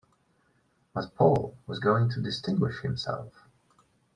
But Paul was going to distinguish himself.